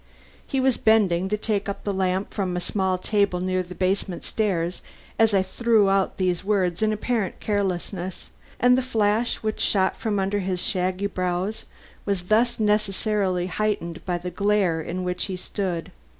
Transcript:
He was bending to take up the lamp from a small table near the basement stair as I threw out these words in apparent carelessness, and the flash which shot from under his shaggy brows was thus necessarily heightened by the glare in which he stood.